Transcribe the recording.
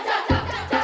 piam piam sepiam dek